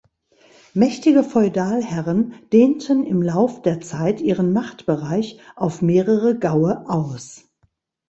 Mächtige Feudalherren dehnten im Lauf der Zeit ihren Machtbereich auf mehrere Gaue aus.